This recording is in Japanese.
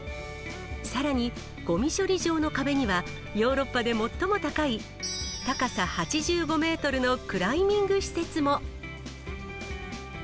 さらに、ごみ処理場の壁には、ヨーロッパで最も高い高さ８５メートルのクライミング施設も。